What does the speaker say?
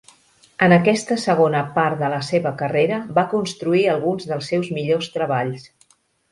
En aquesta segona part de la seva carrera va construir alguns dels seus millors treballs.